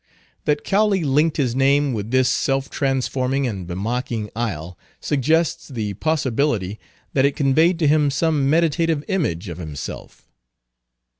That Cowley linked his name with this self transforming and bemocking isle, suggests the possibility that it conveyed to him some meditative image of himself.